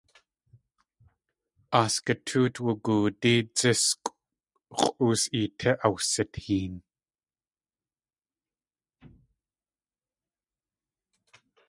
Aasgutóot wugoodí, dzískʼw x̲ʼus.eetí awsiteen.